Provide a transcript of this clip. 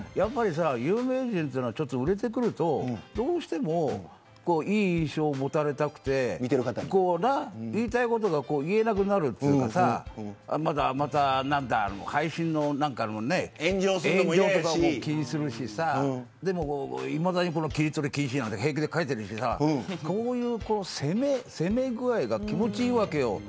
有名人は売れてくるとどうしてもいい印象を持たれたくて言いたいことが言えなくなるというか炎上とかも気にするしさでも、いまだにキリトリ禁止なんて平気で書いてるしこの攻め具合が気持ちいいわけよ。